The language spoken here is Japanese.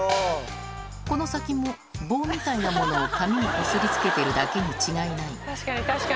この先も棒みたいなものを紙にこすりつけてるだけに違いない。